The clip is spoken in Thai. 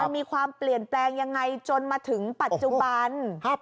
มันมีความเปลี่ยนแปลงยังไงจนมาถึงปัจจุบัน